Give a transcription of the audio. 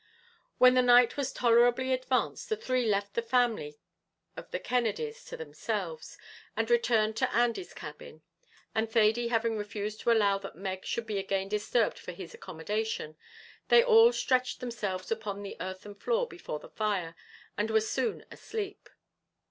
When the night was tolerably advanced the three left the family of the Kennedys to themselves, and returned to Andy's cabin; and Thady having refused to allow that Meg should be again disturbed for his accommodation, they all stretched themselves upon the earthen floor before the fire, and were soon asleep.